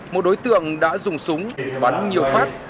một đối tượng đã dùng súng bắn nhiều phát